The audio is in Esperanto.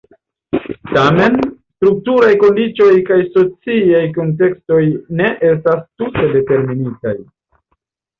Tamen, strukturaj kondiĉoj kaj sociaj kuntekstoj ne estas tute determinitaj.